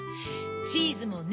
チーズもね